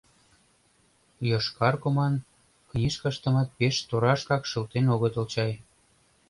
Йошкар коман книжкаштымат пеш торашкак шылтен огытыл чай...